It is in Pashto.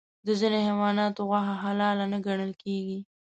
د ځینې حیواناتو غوښه حلال نه ګڼل کېږي.